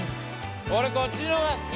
俺こっちの方が好き。